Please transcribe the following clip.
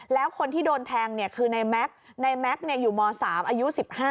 แล้วคนที่โดนแทงคือในแม็กซ์อยู่ม๓อายุ๑๕